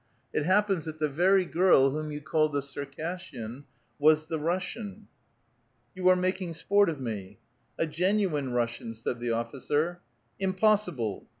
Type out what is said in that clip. It happens tiiat the very girl whom you called the Circassian was tiie liussian." '' You are making sport of me !"A genuine Russian," said the officer. " Impossible